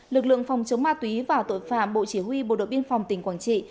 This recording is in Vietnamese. lực lượng phòng chống ma túy và tội phạm bộ chỉ huy bộ đội biên phòng tỉnh quảng trị